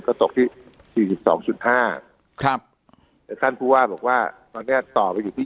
ก็ตกที่๔๒๕ครับแล้วท่านผู้ว่าบอกว่าตอนเนี่ยต่อไปถึงที่